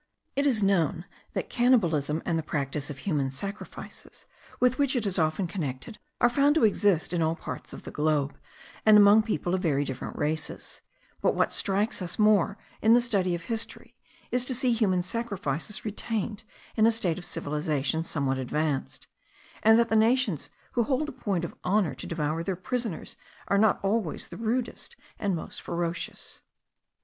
It is known that cannibalism and the practice of human sacrifices, with which it is often connected, are found to exist in all parts of the globe, and among people of very different races;* but what strikes us more in the study of history is to see human sacrifices retained in a state of civilization somewhat advanced; and that the nations who hold it a point of honour to devour their prisoners are not always the rudest and most ferocious.